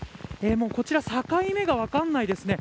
こちら境目が分からないですね。